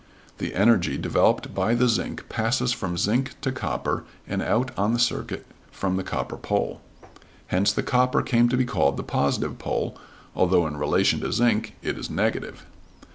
The energy developed by the zinc passes from zinc to copper and out on the circuit from the copper pole. Hence the copper came to be called the positive pole, although in relation to zinc it is negative.